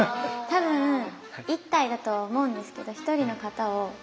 多分１体だとは思うんですけど１人の方を。